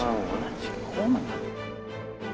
wulansi wulansi wulansi